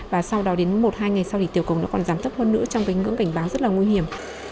và sau đó đến một hai ngày sau thì tiểu cầu nó còn giảm thấp hơn nữa trong cái ngưỡng cảnh báo rất là nguy hiểm